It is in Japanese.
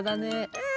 うん！